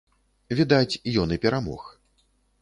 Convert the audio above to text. Відаць, ён і перамог.